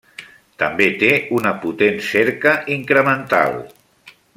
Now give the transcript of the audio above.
També té una potent cerca incremental.